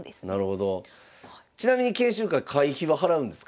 ちなみに研修会会費は払うんですか？